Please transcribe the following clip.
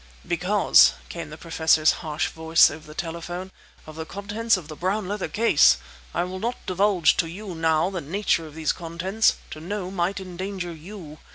"Because," came the Professor's harsh voice over the telephone, "of the contents of the brown leather case! I will not divulge to you now the nature of these contents; to know might endanger you.